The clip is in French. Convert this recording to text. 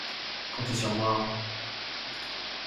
Comptez sur moi…